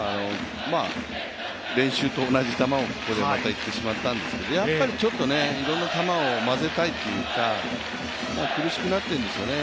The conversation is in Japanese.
練習と同じ球をここでまたいってしまったんですけど、やっぱりいろんな球を混ぜたいというか、苦しくなっているんですよね。